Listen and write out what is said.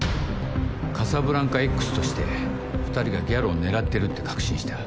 カサブランカＸとして２人がギャロを狙ってるって確信した。